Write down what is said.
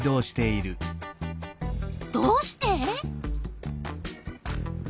どうして？